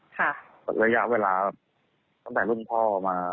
ระยะเวลาตั้งแต่รุ่นพ่อมา